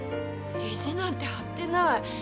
意地なんて張ってない。